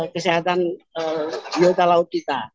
kesehatan biota laut kita